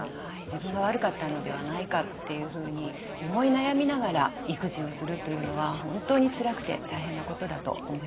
自分が悪かったのではないかっていうふうに思い悩みながら育児をするというのは本当につらくて大変なことだと思います。